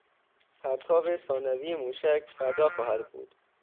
پرتاب ثانوی موشک فردا خواهد بود.